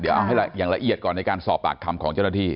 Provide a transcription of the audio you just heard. เดี๋ยวเอาให้อย่างละเอียดก่อนในการสอบปากคำของเจ้าหน้าที่